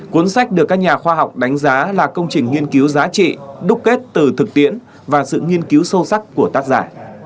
cuốn sách được các nhà khoa học đánh giá là công trình nghiên cứu giá trị đúc kết từ thực tiễn và sự nghiên cứu sâu sắc của tác giả